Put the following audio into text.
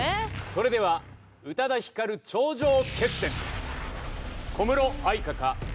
それでは宇多田ヒカル頂上決戦小室あいかか